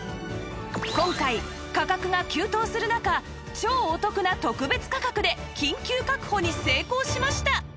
今回価格が急騰する中超お得な特別価格で緊急確保に成功しました！